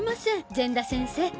善田先生